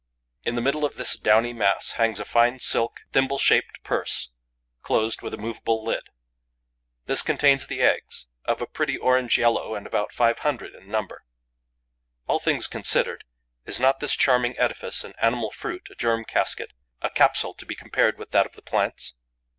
In the middle of this downy mass hangs a fine, silk, thimble shaped purse, closed with a movable lid. This contains the eggs, of a pretty orange yellow and about five hundred in number. All things considered, is not this charming edifice an animal fruit, a germ casket, a capsule to be compared with that of the plants?